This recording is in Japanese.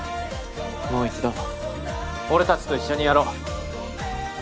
もう一度俺たちと一緒にやろう。